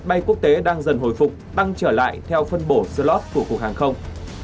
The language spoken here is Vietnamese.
bay quốc tế đang dần hồi phục tăng trở lại theo phân bổ slot của cục hàng không